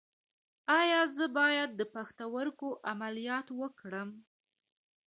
ایا زه باید د پښتورګو عملیات وکړم؟